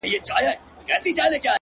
د ميني پر كوڅه ځي ما يوازي پــرېـــږدې!!